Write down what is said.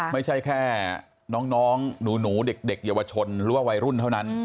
ไม่ใช่แค่น้องหนูเด็กเยาวชนหรือว่าวัยรุ่นเท่านั้น